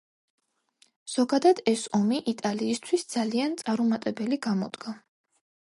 ზოგადად ეს ომი იტალიისთვის ძალიან წარუმატებელი გამოდგა.